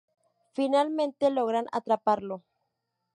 Finalmente, logran atraparlo.